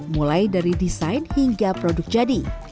mulai dari desain hingga produk jadi